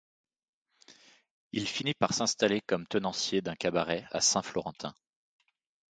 Il finit par s'installer comme tenancier d'un cabaret à Saint-Florentin.